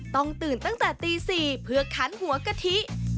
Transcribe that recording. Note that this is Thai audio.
ต้องตื่นตั้งแต่ตี๔เพื่อคันหัวกะทิ